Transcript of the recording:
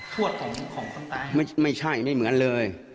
วดของของคนตายไม่ใช่ไม่เหมือนเลย